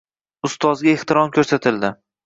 Ustozga ehtirom ko‘rsatildi